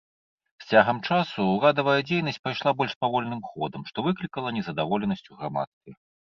З цягам часу ўрадавая дзейнасць пайшла больш павольным ходам, што выклікала незадаволенасць у грамадстве.